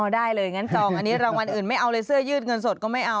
ได้เลยงั้นจองอันนี้รางวัลอื่นไม่เอาเลยเสื้อยืดเงินสดก็ไม่เอา